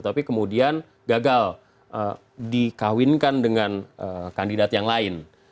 tapi kemudian gagal dikawinkan dengan kandidat yang lain